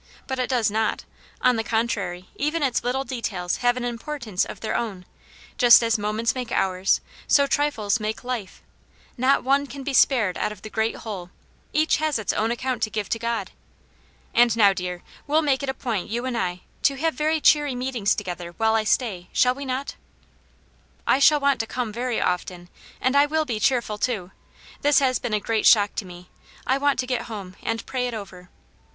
But it docs not. On the contrary, even its little details have an importance of their own ; just as moments make hours, so trifles make life ; not one can be spared out of the great whole, each has its own account to give to God, And now, dear, we'll make it a point, you and I, to have very cheery meetings together, while I stay, shall we not }"" I shall want to come very often, and I will be cheerful, too. This has been a great shock to me ; I want to get home and pray it over."